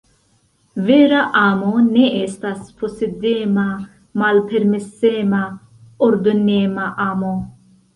Vera amo ne estas posedema, malpermesema, ordonema amo.